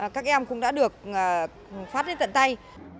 các em cũng đã được phát đến tận tay